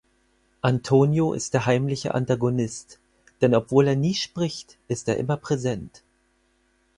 Antonio ist der heimliche Antagonist, denn obwohl er nie spricht, ist er immer präsent.